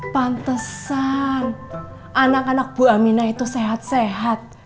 pantesan anak anak bu amina itu sehat sehat